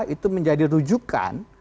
itu menjadi rujukan